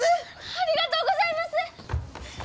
ありがとうございます！